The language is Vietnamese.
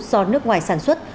được nước ngoài sản xuất